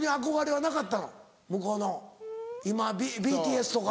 今ＢＴＳとか。